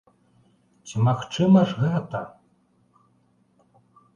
Ці магчыма ж гэта?